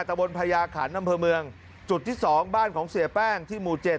ตะบนพญาขันอำเภอเมืองจุดที่๒บ้านของเสียแป้งที่หมู่๗